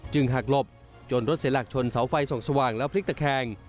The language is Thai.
หักหลบจนรถเสียหลักชนเสาไฟส่องสว่างแล้วพลิกตะแคง